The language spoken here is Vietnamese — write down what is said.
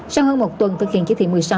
sau hơn một tuần thực hiện chỉ thị một mươi sáu